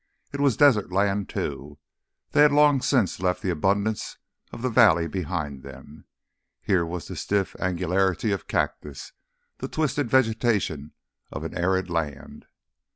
It was desert land, too. They had long since left the abundance of the valley behind them. Here was the stiff angularity of cactus, the twisted vegetation of an arid land.